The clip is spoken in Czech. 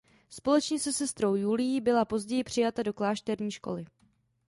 Společně se sestrou Julií byla později přijata do klášterní školy.